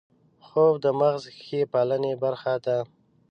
خوب د مغز ښې پالنې برخه ده